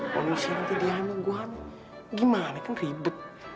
konfusia nanti dia gua gimana kan ribet